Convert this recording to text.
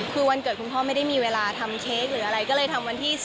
คือวันเกิดคุณพ่อไม่ได้มีเวลาทำเค้กหรืออะไรก็เลยทำวันที่๑๐